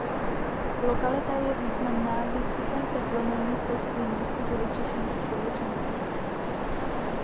Lokalita je významná výskytem teplomilných rostlinných a živočišných společenstev.